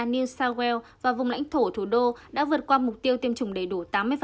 new south wales và vùng lãnh thổ thủ đô đã vượt qua mục tiêu tiêm chủng đầy đủ tám mươi